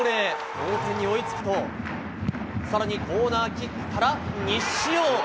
同点に追いつくと更にコーナーキックから西尾！